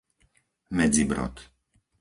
Medzibrod